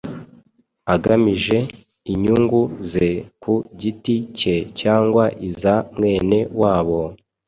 agamije inyungu ze ku giti ke cyangwa iza mwene wabo,